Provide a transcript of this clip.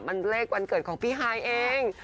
มันเลขวันเกิดของพี่ฮายเอง